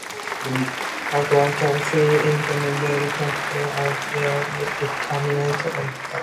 At one time three independent railway companies had their termini at the town.